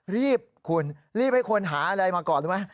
รีบคุณรีบให้คนหาอะไรมาก่อนรู้ไหม